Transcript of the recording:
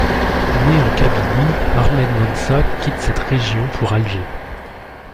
Né en Kabylie, Ahmed Mahsas quitte cette région pour Alger.